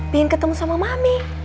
pengen ketemu sama mami